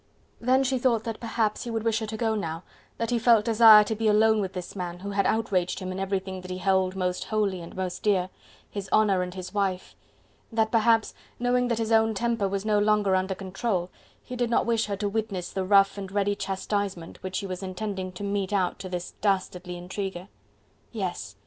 Then she thought that perhaps he would wish her to go now, that he felt desire to be alone with this man, who had outraged him in everything that he held most holy and most dear, his honour and his wife... that perhaps, knowing that his own temper was no longer under control, he did not wish her to witness the rough and ready chastisement which he was intending to mete out to this dastardly intriguer. Yes!